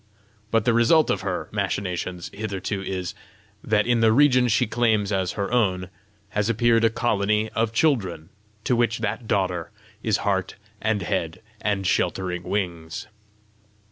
But the result of her machinations hitherto is, that in the region she claims as her own, has appeared a colony of children, to which that daughter is heart and head and sheltering wings.